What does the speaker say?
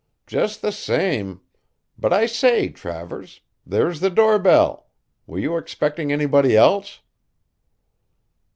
"Just the same but I say, Travers, there's the door bell. Were you expecting anybody else."